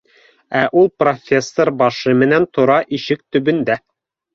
Ә ул профессор башы менән тора ишек төбөндә